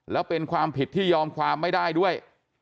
แล้วเป็นความผิดที่ยอมความไม่ได้ด้วย